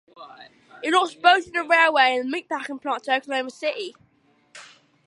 It lost both the railway and the meatpacking plant to Oklahoma City.